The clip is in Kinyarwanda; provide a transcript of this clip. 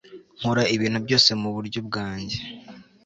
nkora ibintu byose mu buryo bwanjye